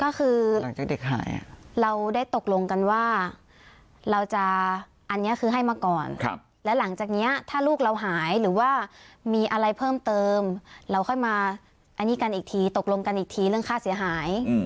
ก็คือหลังจากเด็กหายเราได้ตกลงกันว่าเราจะอันนี้คือให้มาก่อนและหลังจากนี้ถ้าลูกเราหายหรือว่ามีอะไรเพิ่มเติมเราค่อยมาอันนี้กันอีกทีตกลงกันอีกทีเรื่องค่าเสียหาย